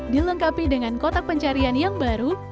dilengkapi dengan kotak pencarian yang baru